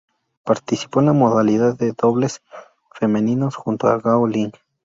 Participó en la modalidad de Dobles femeninos junto a Gao Ling.